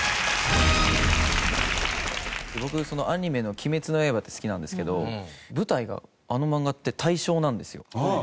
僕アニメの『鬼滅の刃』って好きなんですけど舞台があの漫画って大正なんですよ。